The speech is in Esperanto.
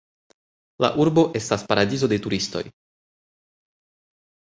La urbo estas paradizo de turistoj.